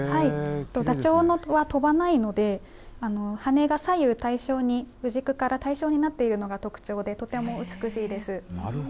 ダチョウは飛ばないので、羽が左右対称に、羽軸から左右対称になっているのが特徴で。